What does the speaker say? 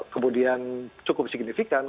kemudian cukup signifikan